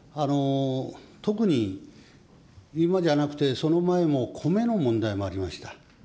特に今じゃなくてその前もコメの問題もありました。